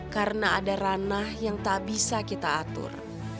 karena ada ranah yang tak bisa kita atur